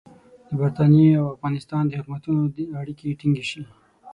د برټانیې او افغانستان د حکومتونو اړیکې ټینګې شي.